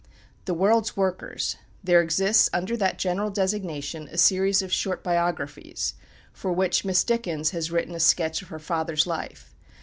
"The World's Workers" there exists under that general designation a series of short biographies, for which Miss Dickens has written a sketch of her father's life.